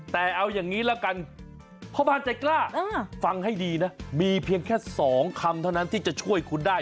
แต่เอาอย่างนี้ละกันพ่อบ้านใจกล้าฟังให้ดีนะมีเพียงแค่๒คำเท่านั้นที่จะช่วยคุณได้